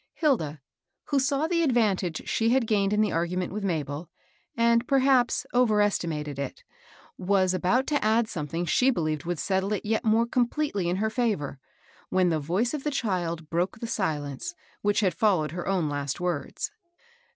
Hilda, who saw the advantage she had gained in the argument with Mabel, and, perhaps, over esti mated it, was about to add something she believed would settle it yet more completely in her favor, HILDA A SEWING GIRL. 71 when the voice of the child broke the silence which had followed her own last words.